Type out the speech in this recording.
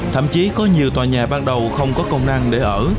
thậm chí có nhiều tòa nhà ban đầu không có công năng để ở